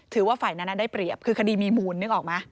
ถือว่าฝ่ายนั้นได้เปรียบคือคดีมีมูลนึกออกไหม